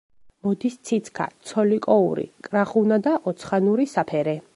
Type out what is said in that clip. მოდის ციცქა, ცოლიკოური, კრახუნა და ოცხანური საფერე.